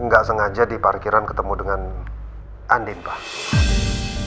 nggak sengaja di parkiran ketemu dengan andin pak